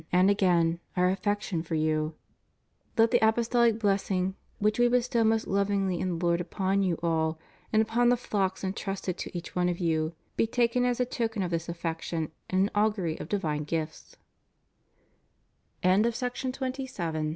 and again Our affection for you. Let the Apostolic bless ing, which We bestow most lovingly in the Lord upon you all and upon the flocks entrusted to each one of you, be taken as a token of this affection and an augury of di